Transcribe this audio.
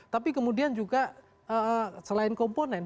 tapi kemudian juga selain komponen